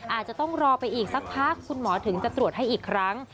อาจจะต้องรอไปอีกสักพักคุณหมอถึงจะตรวจให้อีกครั้ง